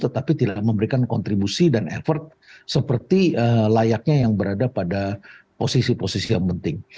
tetapi tidak memberikan kontribusi dan effort seperti layaknya yang berada pada posisi posisi yang penting